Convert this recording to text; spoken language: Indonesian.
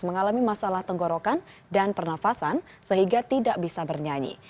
mengalami masalah tenggorokan dan pernafasan sehingga tidak bisa bernyanyi